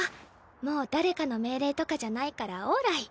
もう誰かの命令とかじゃないからオーライ。